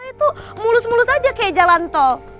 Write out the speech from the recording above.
itu mulus mulus aja kayak jalan tol